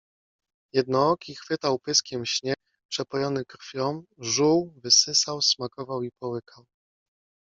Jednooki chwytał pyskiem śnieg, przepojony krwią, żuł, wysysał, smakował i połykał.